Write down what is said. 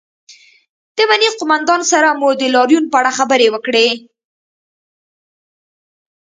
د امنیې قومندان سره مو د لاریون په اړه خبرې وکړې